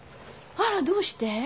あらどうして？